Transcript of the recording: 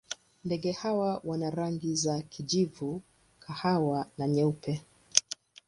Ndege hawa wana rangi za kijivu, kahawa na nyeupe.